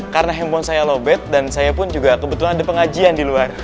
karena handphone saya lowbat dan saya pun juga kebetulan ada pengajian di luar